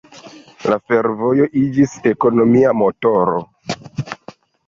La fervojo iĝis ekonomia motoro.